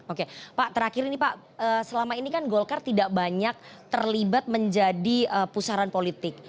oke pak terakhir ini pak selama ini kan golkar tidak banyak terlibat menjadi pusaran politik